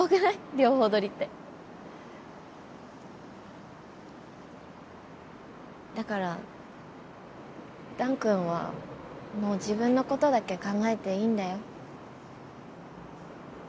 両方取りってだから弾君はもう自分のことだけ考えていいんだよ？